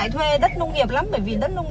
thế thì em yên tâm hơn